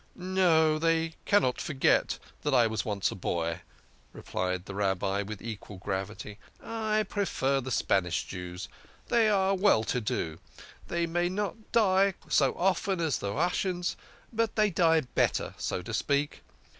" No, they cannot forget that I was once a boy," replied the Rabbi with equal gravity. " I prefer the Spanish Jews. They are all well to do. They may not die so often as the Russians, but they die better, so to speak.